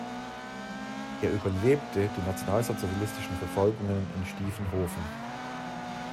Er überlebte die nationalsozialistischen Verfolgungen in Stiefenhofen.